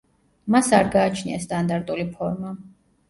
მას არ გააჩნია სტანდარტული ფორმა.